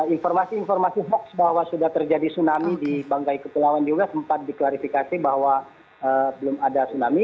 informasi informasi hoax bahwa sudah terjadi tsunami di bangkai kepulauan juga sempat diklarifikasi bahwa belum ada tsunami